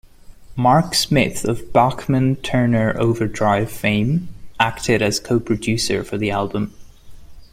Mark Smith of Bachman-Turner Overdrive fame acted as co-producer for the album.